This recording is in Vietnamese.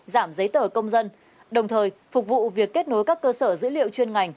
giảm giấy tờ công dân đồng thời phục vụ việc kết nối các cơ sở dữ liệu chuyên ngành